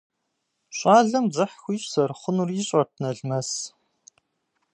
ЩӀалэм дзыхь хуищӀ зэрыхъунур ищӀэрт Налмэс.